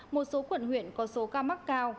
một số quận huyện có số ca mắc cao